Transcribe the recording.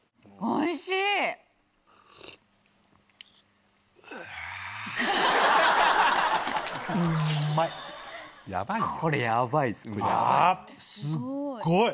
おいしいね？